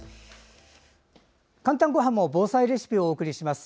「かんたんごはん」も防災レシピをお送りします。